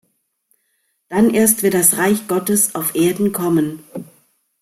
Dann erst wird das Reich Gottes auf Erden kommen.